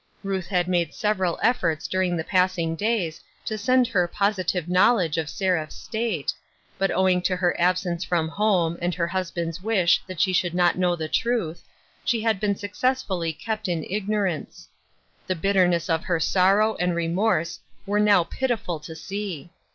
Ruth had made several efforts during the passing days, to send her positive knowledge of Seraph's state, but owing to her absence from home, and to her husband's wish 280 "o, mamma! good by!" that she should not know the truth, she had been successfully kept in ignorance. The bitterness of her sorrow and remorse were now pitiful to see.